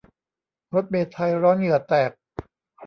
รถเมล์ไทยร้อนเหงื่อแตก